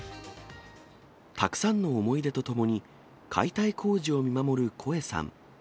たくさんの思い出とともに解体工事を見守る声さん。